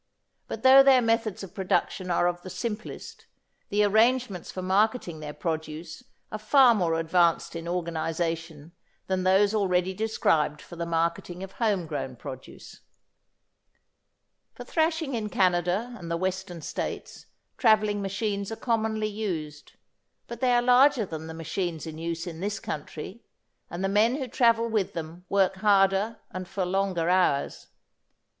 But though their methods of production are of the simplest, the arrangements for marketing their produce are far more advanced in organisation than those already described for the marketing of home grown produce. For thrashing in Canada and the Western States, travelling machines are commonly used, but they are larger than the machines in use in this country, and the men who travel with them work harder and for longer hours.